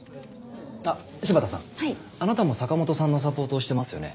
あっ柴田さんあなたも坂本さんのサポートをしてますよね。